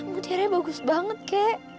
mutiaranya bagus banget kek